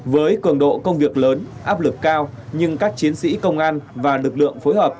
với cường độ công việc lớn áp lực cao nhưng các chiến sĩ công an và lực lượng phối hợp